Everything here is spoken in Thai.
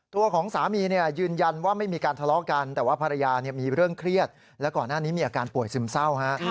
ตัวของสามียืนยันว่าไม่มีการทะเลาะกันแต่ว่าภรรยามีเรื่องเครียดและก่อนหน้านี้มีอาการป่วยซึมเศร้าฮะ